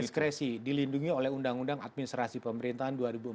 diskresi dilindungi oleh undang undang administrasi pemerintahan dua ribu empat belas